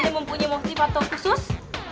ada mempunyai motif atau khusus